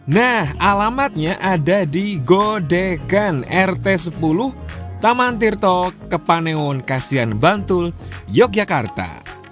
nah alamatnya ada di godegan rt sepuluh taman tirto kepaneon kasian bantul yogyakarta